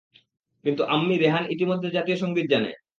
কিন্তু আম্মি রেহান ইতিমধ্যে জাতীয় সংগীত জানে।